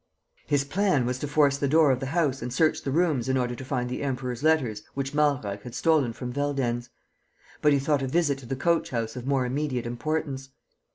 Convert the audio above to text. His plan was to force the door of the house and search the rooms in order to find the Emperor's letters which Malreich had stolen from Veldenz. But he thought a visit to the coach house of more immediate importance.